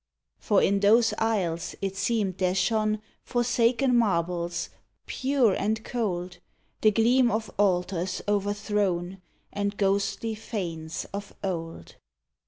For in those isles it seemed there shone Forsaken marbles, pure and cold — The gleam of altars overthrown And ghostly fanes of old.